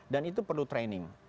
dan itu perlu training